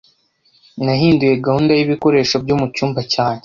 Nahinduye gahunda y'ibikoresho byo mu cyumba cyanjye.